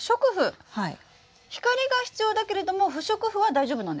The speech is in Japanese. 光が必要だけれども不織布は大丈夫なんですか？